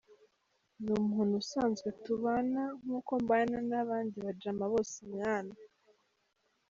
Ni umuntu usanzwe tubana nk’uko mbana n’abandi bajama bose mwana!!”.